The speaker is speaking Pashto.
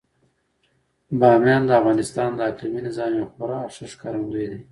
بامیان د افغانستان د اقلیمي نظام یو خورا ښه ښکارندوی دی.